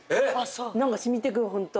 なんか染みてくるホント。